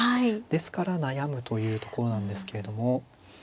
ですから悩むというところなんですけども。